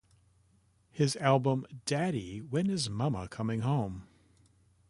His album Daddy, When Is Mama Comin Home?